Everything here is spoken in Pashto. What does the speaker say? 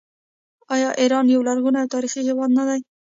آیا ایران یو لرغونی او تاریخي هیواد نه دی؟